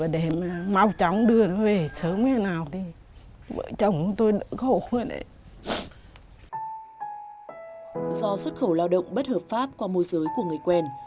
do xuất khẩu lao động bất hợp pháp qua môi giới của người quen